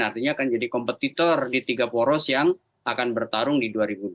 artinya akan jadi kompetitor di tiga poros yang akan bertarung di dua ribu dua puluh